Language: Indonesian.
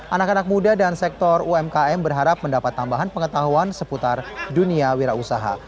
anak anak muda dan sektor umkm berharap mendapat tambahan pengetahuan seputar dunia wira usaha